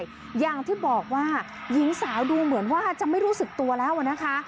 อย่างที่บอกว่าหญิงสาวดูเหมือนว่าจะไม่รู้สึกตัวแล้วนะคะ